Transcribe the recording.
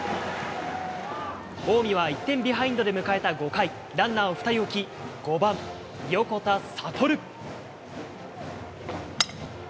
近江は１点ビハインドで迎えた５回、ランナーを２人置き、５番横田悟。